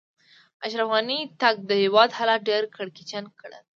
د اشرف غني تګ؛ د هېواد حالات ډېر کړکېچن کړل.